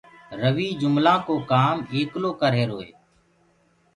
رويٚ جُملآنٚ ڪو ڪآم ايڪلو ڪرريهرو هي